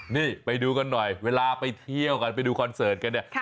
นี่ไปดูกันหน่อยเวลาไปเที่ยวกันไปดูคอนเสิร์ตกันเนี่ย